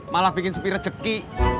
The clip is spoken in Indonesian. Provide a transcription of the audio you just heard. malah bikin sepi rejeki